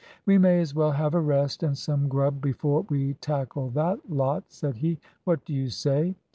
"We may as well have a rest and some grub before we tackle that lot," said he. "What do you say?"